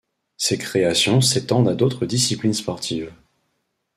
Ses créations s'étendent à d'autres disciplines sportives.